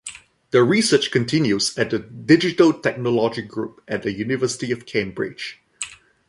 The research continues at the Digital Technology Group at the University of Cambridge.